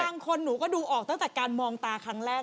บางคนหนูก็ดูออกตั้งแต่การมองตาครั้งแรก